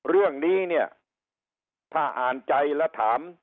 เรื่องนี้เนี่ยถ้าอ่านใจและถาม